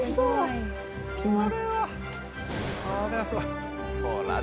いただきます。